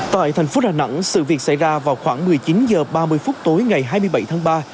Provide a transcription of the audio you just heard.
tại thành phố đà nẵng sự việc xảy ra vào khoảng một mươi chín h ba mươi phút tối ngày hai mươi bảy tháng ba